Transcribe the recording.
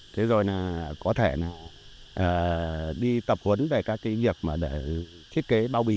thế rồi có thể đi tập huấn về các kỹ nghiệp để thiết kế bao bì